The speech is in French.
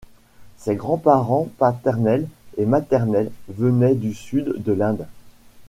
Ses grands-parents paternels et maternels venaient du sud de l'Inde.